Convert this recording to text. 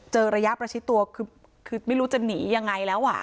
ระยะประชิดตัวคือไม่รู้จะหนียังไงแล้วอ่ะ